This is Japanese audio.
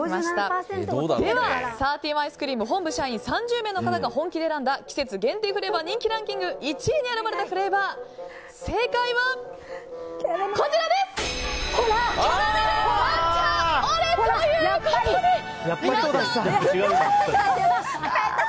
サーティーワンアイスクリーム本部社員３０名の方が本気で選んだ季節限定フレーバー人気ランキング１位に選ばれたフレーバー正解は、キャラメル抹茶オレということで皆さん、不正解でした。